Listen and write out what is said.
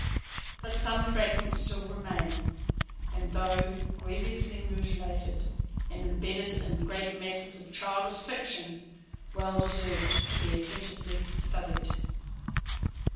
But some fragments still remain, and, though grievously mutilated, and imbedded in great masses of childish fiction, well deserve to be attentively studied.